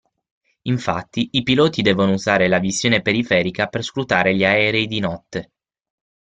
Infatti, i piloti devono usare la visione periferica per scrutare gli aerei di notte.